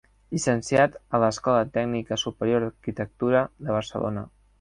Llicenciat a l'Escola Tècnica Superior d'Arquitectura de Barcelona.